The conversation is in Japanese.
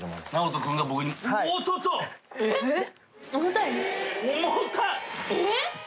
えっ？